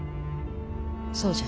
そうじゃ。